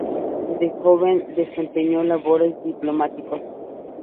De joven desempeñó labores diplomáticas.